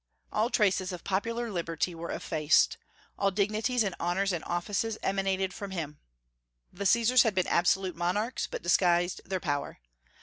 All traces of popular liberty were effaced. All dignities and honors and offices emanated from him. The Caesars had been absolute monarchs, but disguised their power.